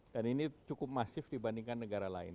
dan ini cukup masif dibandingkan negara lain